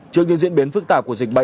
trước những diễn biến phức tạp